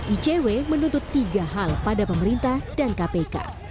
icw menuntut tiga hal pada pemerintah dan kpk